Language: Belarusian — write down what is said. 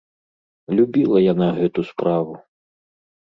Любіла яна гэту справу.